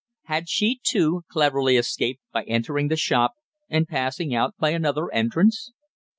Had she, too, cleverly escaped by entering the shop, and passing out by another entrance?